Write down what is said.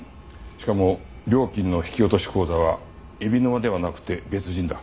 しかも料金の引き落とし口座は海老沼ではなくて別人だ。